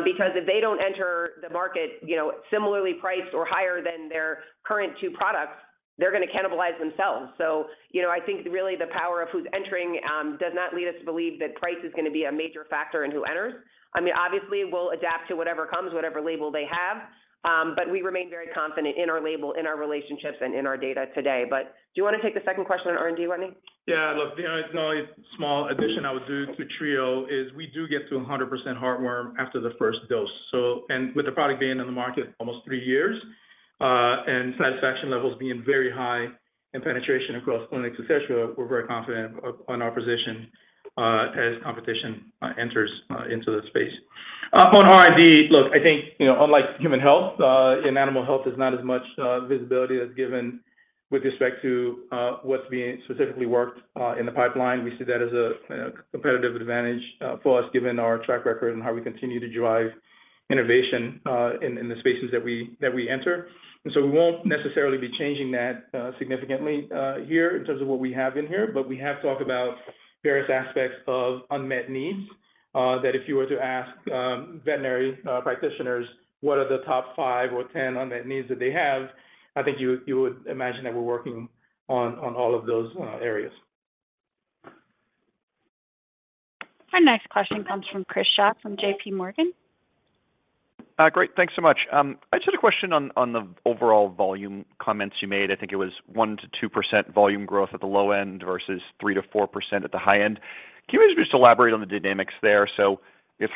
Because if they don't enter the market, you know, similarly priced or higher than their current two products, they're gonna cannibalize themselves. You know, I think really the power of who's entering does not lead us to believe that price is gonna be a major factor in who enters. I mean, obviously, we'll adapt to whatever comes, whatever label they have. We remain very confident in our label, in our relationships, and in our data today. Do you wanna take the second question on R&D, Wetteny? Yeah, look, the only small addition I would do to Trio is we do get to 100% heartworm after the first dose. With the product being on the market almost three years, and satisfaction levels being very high and penetration across clinics, et cetera, we're very confident on our position as competition enters into the space. On R&D, look, I think, you know, unlike human health, in animal health there's not as much visibility that's given with respect to what's being specifically worked in the pipeline. We see that as a competitive advantage for us, given our track record and how we continue to drive innovation in the spaces that we, that we enter. We won't necessarily be changing that significantly here in terms of what we have in here. We have talked about various aspects of unmet needs that if you were to ask veterinary practitioners what are the top five or 10 unmet needs that they have, I think you would imagine that we're working on all of those areas. Our next question comes from Chris Schott from JPMorgan. Great. Thanks so much. I just had a question on the overall volume comments you made. I think it was 1-2% volume growth at the low end versus 3-4% at the high end. Can you just elaborate on the dynamics there? How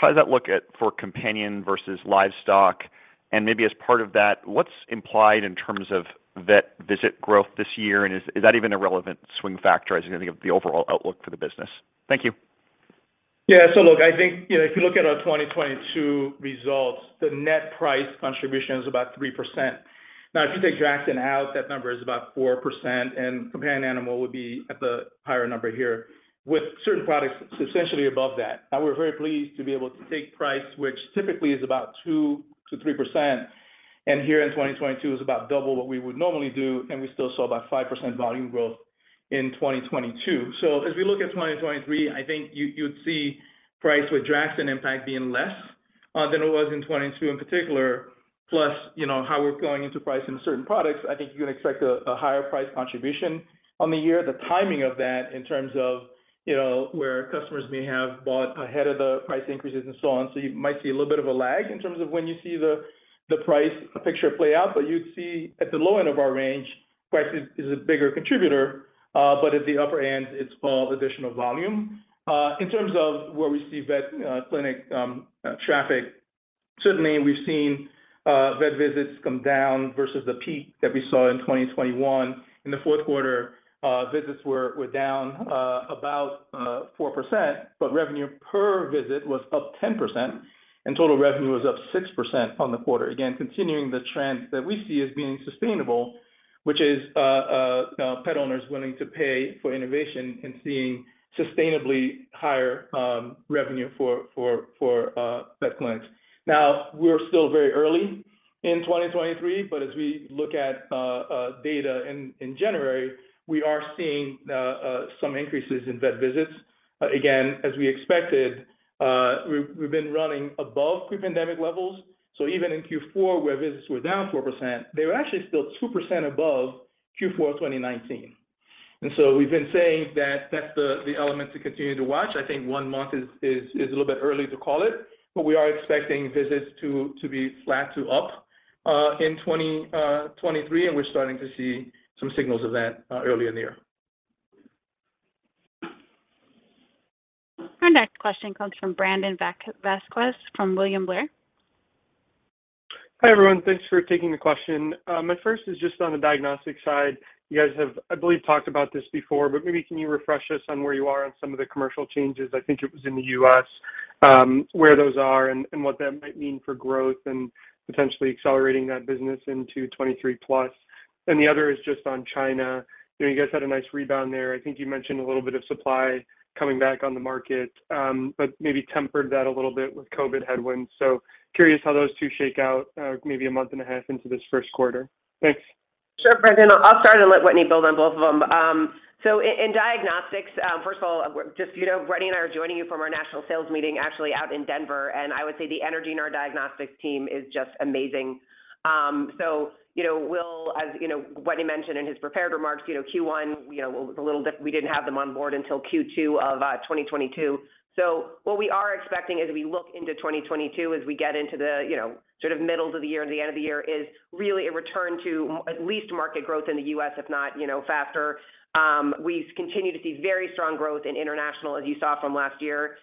does that look at for companion versus livestock? Maybe as part of that, what's implied in terms of vet visit growth this year? Is that even a relevant swing factor as you think of the overall outlook for the business? Thank you. Yeah. Look, I think, you know, if you look at our 2022 results, the net price contribution is about 3%. Now, if you take Draxxin out, that number is about 4%, and companion animal would be at the higher number here, with certain products substantially above that. Now, we're very pleased to be able to take price, which typically is about 2% to 3%, and here in 2022 is about double what we would normally do, and we still saw about 5% volume growth in 2022. As we look at 2023, I think you would see price with Draxxin impact being less than it was in 2022 in particular. Plus, you know, how we're going into pricing certain products, I think you can expect a higher price contribution on the year. The timing of that in terms of, you know, where customers may have bought ahead of the price increases and so on. You might see a little bit of a lag in terms of when you see the price picture play out. You'd see at the low end of our range, price is a bigger contributor. At the upper end, it's all additional volume. In terms of where we see vet clinic traffic, certainly we've seen vet visits come down versus the peak that we saw in 2021. In the Q4, visits were down about 4%, but revenue per visit was up 10%, and total revenue was up 6% on the quarter. Again, continuing the trend that we see as being sustainable, which is pet owners willing to pay for innovation and seeing sustainably higher revenue for vet clients. We're still very early in 2023, but as we look at data in January, we are seeing some increases in vet visits. Again, as we expected, we've been running above pre-pandemic levels. Even in Q4 where visits were down 4%, they were actually still 2% above Q4 2019. We've been saying that that's the element to continue to watch. I think one month is a little bit early to call it. We are expecting visits to be flat to up in 2023, and we're starting to see some signals of that early in the year. Our next question comes from Brandon Vazquez from William Blair. Hi, everyone. Thanks for taking the question. My first is just on the diagnostic side. You guys have, I believe, talked about this before, but maybe can you refresh us on where you are on some of the commercial changes, I think it was in the U.S., where those are and what that might mean for growth and potentially accelerating that business into 2023+? The other is just on China. You know, you guys had a nice rebound there. I think you mentioned a little bit of supply coming back on the market, but maybe tempered that a little bit with COVID headwinds. Curious how those two shake out, maybe a month and a half into this Q1? Thanks. Sure, Brandon. I'll start and let Wetteny build on both of them. In diagnostics, first of all, just so you know, Wetteny and I are joining you from our national sales meeting actually out in Denver, and I would say the energy in our diagnostics team is just amazing. You know, as, you know, Wetteny mentioned in his prepared remarks, you know, Q1 was a little we didn't have them on board until Q2 of 2022. What we are expecting as we look into 2022, as we get into the, you know, sort of middles of the year and the end of the year, is really a return to at least market growth in the U.S., if not, you know, faster. We continue to see very strong growth in international, as you saw from last year.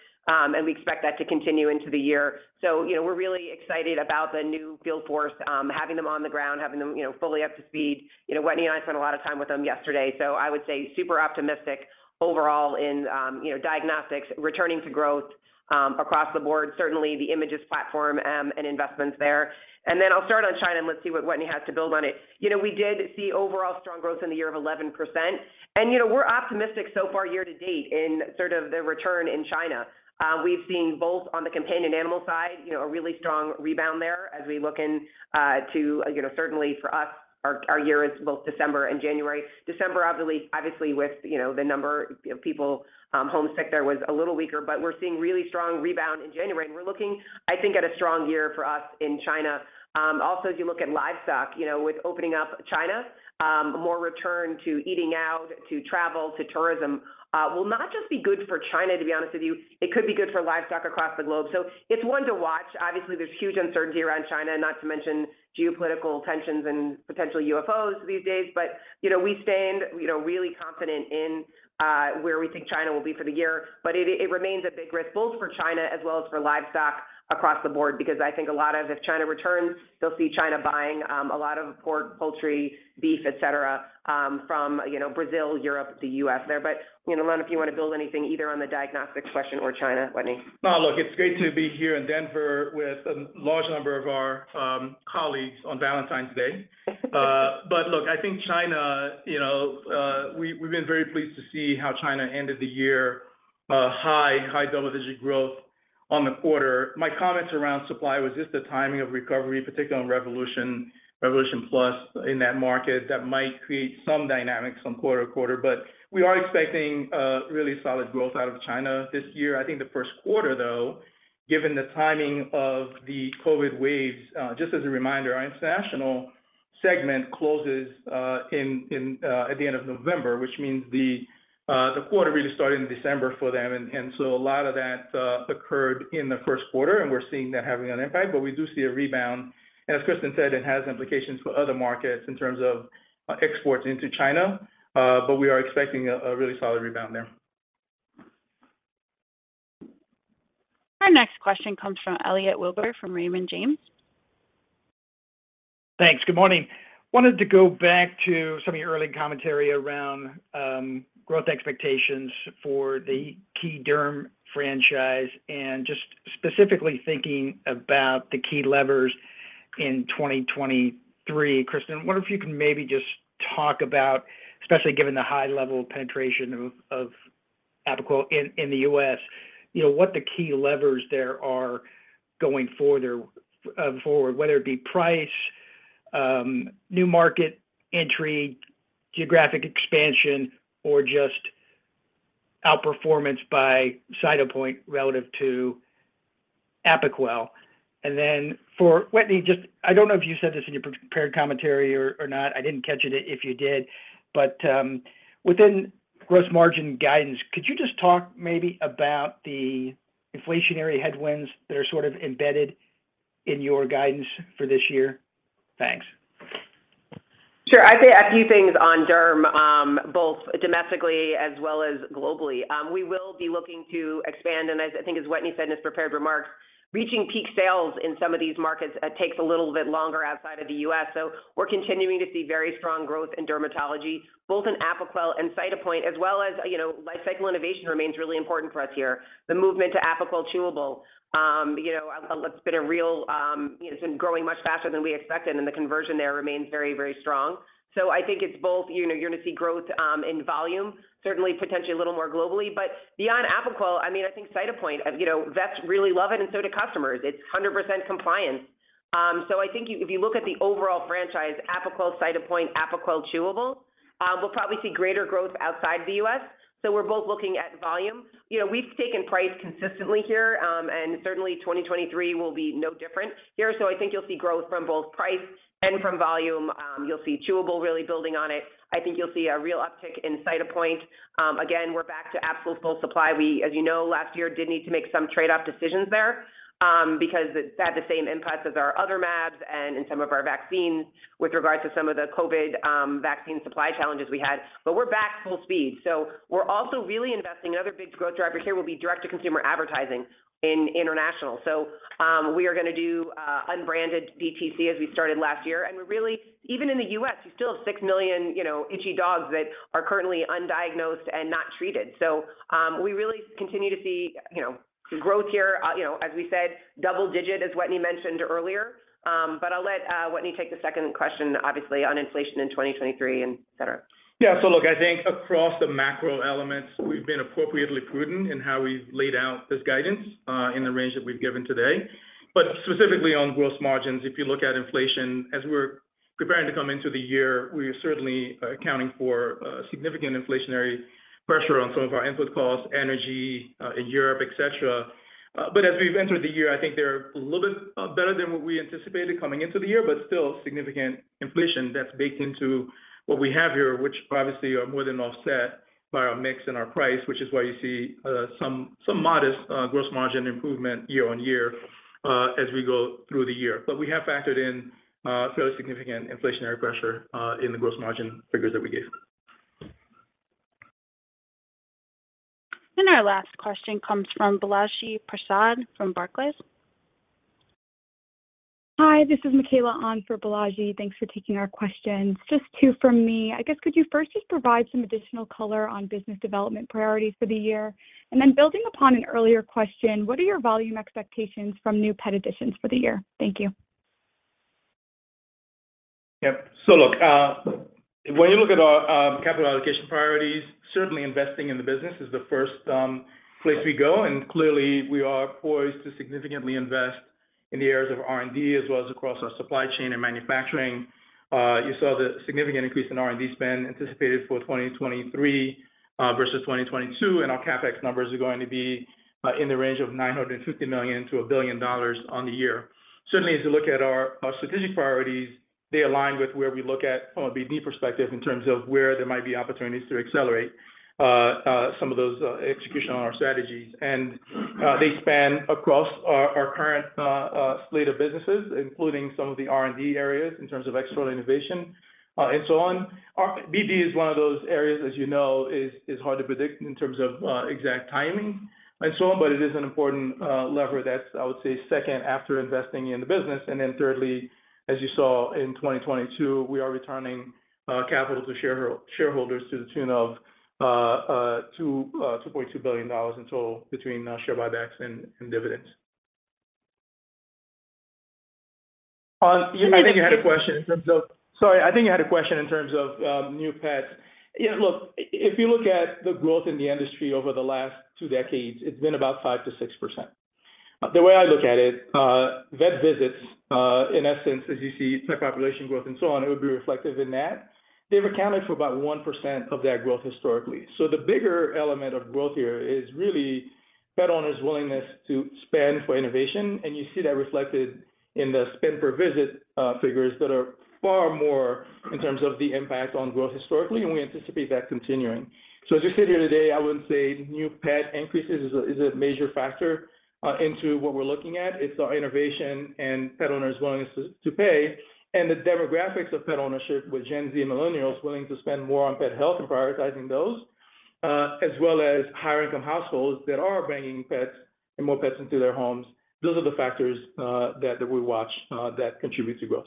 We expect that to continue into the year. You know, we're really excited about the new field force, having them on the ground, having them, you know, fully up to speed. You know, Wetteny and I spent a lot of time with them yesterday. I would say super optimistic overall in, you know, diagnostics returning to growth, across the board, certainly the Imagyst platform, and investments there. Then I'll start on China, and let's see what Wetteny has to build on it. You know, we did see overall strong growth in the year of 11%. You know, we're optimistic so far year to date in sort of the return in China. We've seen both on the companion animal side, you know, a really strong rebound there as we look into, you know, certainly for us, our year is both December and January. December, obviously with, you know, the number of people, homesick there was a little weaker, but we're seeing really strong rebound in January. We're looking, I think, at a strong year for us in China. Also, as you look at livestock, you know, with opening up China, more return to eating out, to travel, to tourism, will not just be good for China, to be honest with you, it could be good for livestock across the globe. It's one to watch. Obviously, there's huge uncertainty around China, not to mention geopolitical tensions and potential UFOs these days. You know, we stand, you know, really confident in where we think China will be for the year. It, it remains a big risk both for China as well as for livestock across the board, because I think a lot of if China returns, you'll see China buying a lot of pork, poultry, beef, et cetera, from, you know, Brazil, Europe, the U.S. there. You know, I don't know if you want to build anything either on the diagnostics question or China, Wetteny. Look, it's great to be here in Denver with a large number of our colleagues on Valentine's Day. Look, I think China, you know, we've been very pleased to see how China ended the year, high, high double-digit growth on the quarter. My comments around supply was just the timing of recovery, particularly on Revolution Plus in that market that might create some dynamics from quarter to quarter. We are expecting really solid growth out of China this year. I think the Q1, though, given the timing of the COVID waves, just as a reminder, our international segment closes in at the end of November, which means the quarter really started in December for them. A lot of that occurred in the Q1, and we're seeing that having an impact. We do see a rebound. As Kristin said, it has implications for other markets in terms of exports into China. We are expecting a really solid rebound there. Our next question comes from Elliot Wilbur from Raymond James. Thanks. Good morning. Wanted to go back to some of your early commentary around growth expectations for the key derm franchise and just specifically thinking about the key levers in 2023. Kristin, I wonder if you can maybe just talk about, especially given the high level of penetration of Apoquel in the U.S., you know, what the key levers there are going further forward, whether it be price, new market entry, geographic expansion, or just outperformance by Cytopoint relative to Apoquel. For Wetteny, I don't know if you said this in your prepared commentary or not. I didn't catch it if you did. Within gross margin guidance, could you just talk maybe about the inflationary headwinds that are sort of embedded in your guidance for this year? Thanks. Sure. I'd say a few things on derm, both domestically as well as globally. We will be looking to expand, and I think as Wetteny said in his prepared remarks, reaching peak sales in some of these markets takes a little bit longer outside of the U.S. We're continuing to see very strong growth in dermatology, both in Apoquel and Cytopoint, as well as, you know, lifecycle innovation remains really important for us here. The movement to Apoquel Chewable, you know, it's been growing much faster than we expected, and the conversion there remains very, very strong. I think it's both, you know, you're going to see growth in volume, certainly potentially a little more globally. Beyond Apoquel, I mean, I think Cytopoint, you know, vets really love it and so do customers. It's 100% compliance. If you look at the overall franchise, Apoquel, Cytopoint, Apoquel Chewable, we'll probably see greater growth outside the U.S. We're both looking at volume. You know, we've taken price consistently here, and certainly 2023 will be no different here. I think you'll see growth from both price and from volume. You'll see chewable really building on it. I think you'll see a real uptick in Cytopoint. Again, we're back to absolute full supply. We, as you know, last year did need to make some trade-off decisions there, because it had the same impact as our other jabs and in some of our vaccines with regards to some of the COVID vaccine supply challenges we had. We're back full speed. We're also really investing. Other big growth driver here will be direct-to-consumer advertising in international. We are gonna do unbranded DTC as we started last year. Even in the U.S., you still have 6 million, you know, itchy dogs that are currently undiagnosed and not treated. We really continue to see, you know, growth here, you know, as we said, double digit, as Wetteny mentioned earlier. I'll let Wetteny take the second question, obviously, on inflation in 2023 and et cetera. Yeah. Look, I think across the macro elements, we've been appropriately prudent in how we've laid out this guidance in the range that we've given today. Specifically on gross margins, if you look at inflation, as we're preparing to come into the year, we are certainly accounting for significant inflationary pressure on some of our input costs, energy in Europe, et cetera. As we've entered the year, I think they're a little bit better than what we anticipated coming into the year, but still significant inflation that's baked into what we have here, which obviously are more than offset by our mix and our price, which is why you see some modest gross margin improvement year-on-year as we go through the year. We have factored in, fairly significant inflationary pressure, in the gross margin figures that we gave. Our last question comes from Balaji Prasad from Barclays. Hi, this is Michaela on for Balaji. Thanks for taking our questions. Just two from me. I guess could you first just provide some additional color on business development priorities for the year? Building upon an earlier question, what are your volume expectations from new pet additions for the year? Thank you. Yep. Look, when you look at our capital allocation priorities, certainly investing in the business is the first place we go, and clearly we are poised to significantly invest in the areas of R&D as well as across our supply chain and manufacturing. You saw the significant increase in R&D spend anticipated for 2023 versus 2022, and our CapEx numbers are going to be in the range of $950 million-$1 billion on the year. Certainly, as you look at our strategic priorities, they align with where we look at from a BD perspective in terms of where there might be opportunities to accelerate some of those execution on our strategies. They span across our current, slate of businesses, including some of the R&D areas in terms of external innovation, and so on. BD is one of those areas, as you know, is hard to predict in terms of, exact timing and so on, but it is an important, lever that's, I would say, second after investing in the business. Thirdly, as you saw in 2022, we are returning, capital to shareholders to the tune of, $2.2 billion in total between our share buybacks and dividends. I think you had a question in terms of new pets. Yeah, look, if you look at the growth in the industry over the last two decades, it's been about 5-6%. The way I look at it, vet visits, in essence, as you see pet population growth and so on, it would be reflective in that. They've accounted for about 1% of that growth historically. The bigger element of growth here is really pet owners' willingness to spend for innovation, and you see that reflected in the spend per visit, figures that are far more in terms of the impact on growth historically, and we anticipate that continuing. As you sit here today, I wouldn't say new pet increases is a major factor into what we're looking at. It's our innovation and pet owners' willingness to pay and the demographics of pet ownership with Gen Z and millennials willing to spend more on pet health and prioritizing those, as well as higher income households that are bringing pets and more pets into their homes. Those are the factors that we watch that contribute to growth.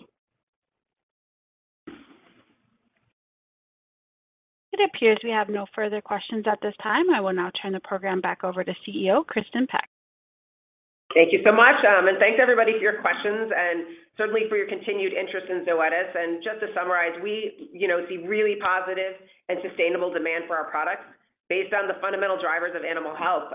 It appears we have no further questions at this time. I will now turn the program back over to CEO, Kristin Peck. Thank you so much, and thanks everybody for your questions and certainly for your continued interest in Zoetis. Just to summarize, we, you know, see really positive and sustainable demand for our products based on the fundamental drivers of animal health.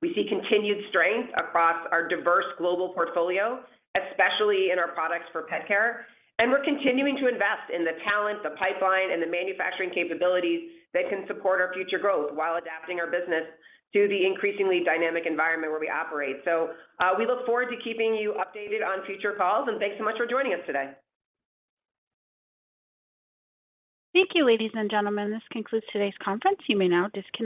We see continued strength across our diverse global portfolio, especially in our products for pet care, and we're continuing to invest in the talent, the pipeline, and the manufacturing capabilities that can support our future growth while adapting our business to the increasingly dynamic environment where we operate. We look forward to keeping you updated on future calls, and thanks so much for joining us today. Thank you, ladies and gentlemen. This concludes today's conference. You may now disconnect.